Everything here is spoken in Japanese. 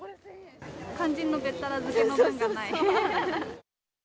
肝心のべったら漬けの分がな